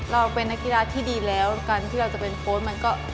เราเป็นนักกีฬาที่ดีแล้วการที่เราจะเป็นโค้ชมันก็